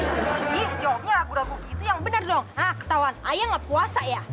jadi jawabnya ragu ragu itu yang bener dong haa ketauan ayang gak puasa ya